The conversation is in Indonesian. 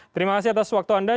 terima kasih atas waktu anda